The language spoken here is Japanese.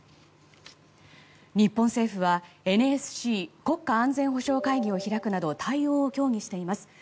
日本政府は、ＮＳＣ・国家安全保障会議を開くなど対応を協議しています。